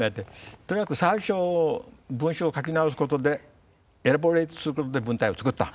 とにかく最初文章を書き直すことでエラボレイトすることで文体を作った。